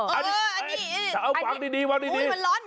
รู้ร้อยไหมอันดีเอาบ้างดี